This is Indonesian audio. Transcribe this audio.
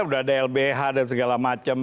sudah ada lbh dan segala macam